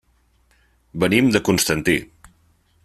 Venim de Constantí.